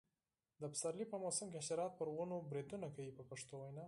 د پسرلي په موسم کې حشرات پر ونو بریدونه کوي په پښتو وینا.